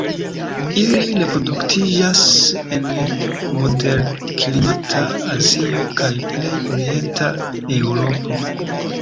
Ili reproduktiĝas en moderklimata Azio kaj plej orienta Eŭropo.